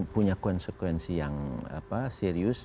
punya konsekuensi yang serius